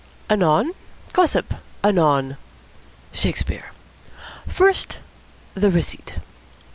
"Anon, gossip, anon. Shakespeare. First, the receipt."